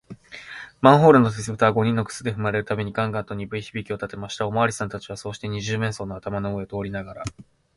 マンホールの鉄ぶたは、五人の靴でふまれるたびに、ガンガンとにぶい響きをたてました。おまわりさんたちは、そうして、二十面相の頭の上を通りながら、